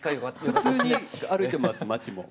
普通に歩いてます町も。